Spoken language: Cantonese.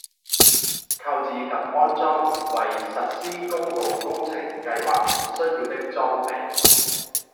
購置及安裝為實施公共工程計劃而需要的設備